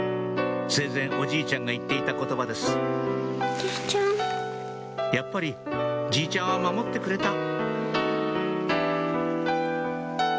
生前おじいちゃんが言っていた言葉です「やっぱりじいちゃんは守ってくれた」